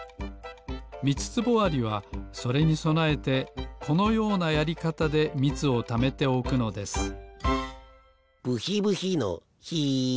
ミツツボアリはそれにそなえてこのようなやりかたでみつをためておくのですブヒブヒのヒ。